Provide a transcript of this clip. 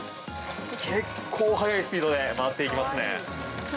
結構速いスピードで回っていきますね。